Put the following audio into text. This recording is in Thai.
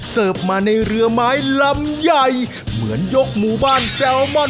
เสิร์ฟมาในเรือไม้ลำใหญ่เหมือนยกหมู่บ้านแซลมอน